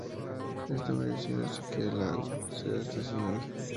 Esta variación hace que el lago sea estacional.